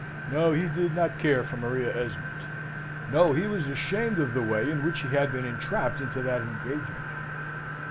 No, he did not care for Maria Esmond! No: he was ashamed of the way in which he had been entrapped into that engagement.